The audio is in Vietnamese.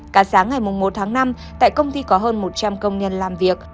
cả sáng ngày một tháng năm tại công ty có hơn một trăm linh công nhân làm việc